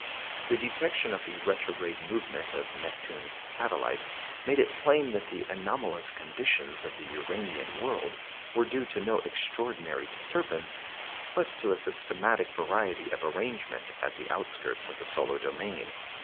The detection of the retrograde movement of Neptune's satellite made it plain that the anomalous conditions of the Uranian world were due to no extraordinary disturbance, but to a systematic variety of arrangement at the outskirts of the solar domain.